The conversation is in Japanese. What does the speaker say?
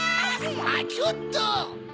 あっちょっと！